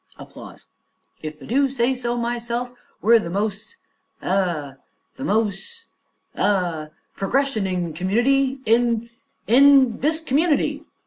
If I do say it myself, we're the mos' eh the mos' eh progressioning community in in this community.